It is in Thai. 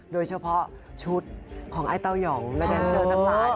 โดยเฉพาะชุดของไอ้เต้ายองและแดนเซอร์ทั้งหลาย